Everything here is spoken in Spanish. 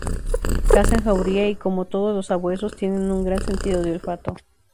Caza en jauría y, como todos los sabuesos, tienen un gran sentido del olfato.